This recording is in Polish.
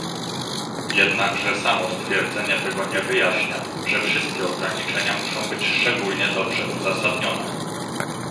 Jednakże samo stwierdzenie tego nie wyjaśnia, że wszystkie ograniczenia muszą być szczególnie dobrze uzasadnione